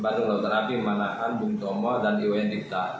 bandung lautan api manahan bung tomo dan iwn timta